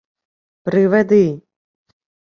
— Приведи.